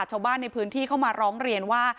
ชาวบ้านในพื้นที่เข้ามาร้องเรียนว่า